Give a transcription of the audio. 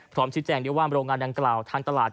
พร้อมรู้จุแจงว่าโรงงานดังเกลาทางตลาด